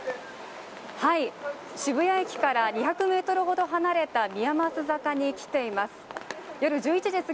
渋谷駅から２００ｍほど離れた宮益坂に来ています。